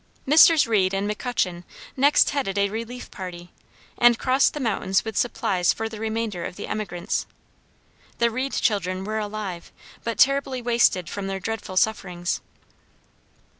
Messrs. Reed and McCutchen next headed a relief party, and crossed the mountains with supplies for the remainder of the emigrants. The Reed children were alive, but terribly wasted from their dreadful sufferings.